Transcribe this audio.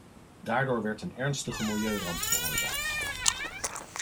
Daardoor werd een ernstige milieuramp veroorzaakt.